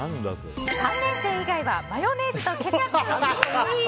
３年生以外はマヨネーズとケチャップは禁止！